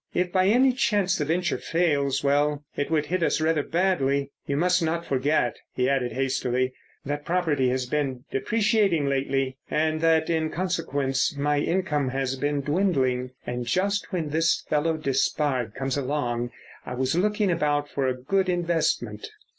If by any chance the venture fails—well, it would hit us rather badly. You must not forget," he added hastily, "that property has been depreciating lately, and that, in consequence, my income has been dwindling, and just when this fellow Despard came along I was looking about for a good investment."